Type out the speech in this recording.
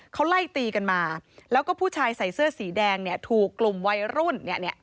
เขาไล่ตีกันมาแล้วก็ผู้ชายใส่เสื้อสีแดงเนี่ยถูกกลุ่มวัยรุ่นเนี่ย